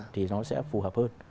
thì nó sẽ phù hợp hơn